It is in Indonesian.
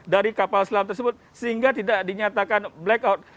dari kapal selam tersebut sehingga tidak dinyatakan blackout